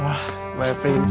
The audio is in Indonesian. wah bayi prinses